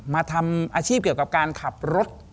มาทำอาชีพเกี่ยวกับการขับรถ